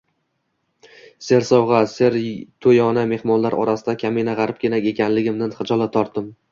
Sersovg`a, serto`yona mehmonlar orasida kamina g`aribgina ekanligimdan xijolat tortdim